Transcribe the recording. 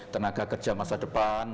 tenaga kerja masa depan